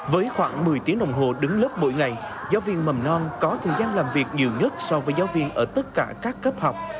với khoảng một mươi tiếng đồng hồ đứng lớp mỗi ngày giáo viên mầm non có thời gian làm việc nhiều nhất so với giáo viên ở tất cả các cấp học